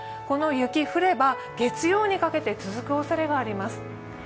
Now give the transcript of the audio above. この雪降れば月曜にかけて続くおそれがあります。